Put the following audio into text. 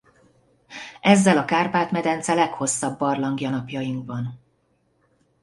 Ezzel a Kárpát-medence leghosszabb barlangja napjainkban.